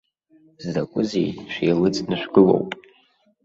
Закәызеи, шәеилыҵны шәгылоуп!